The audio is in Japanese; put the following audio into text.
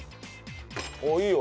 おっいいよ。